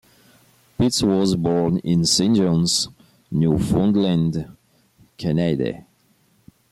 Pitts was born in Saint John's, Newfoundland, Canada.